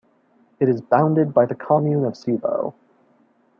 It is bounded by the commune of Cevo.